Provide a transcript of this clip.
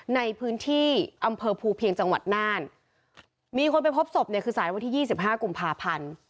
ในพื้นที่อำเภอภูเพียงจังหวัดน่านมีคนไปพบศพเนี่ยคือสายวันที่ยี่สิบห้ากุมภาพันธ์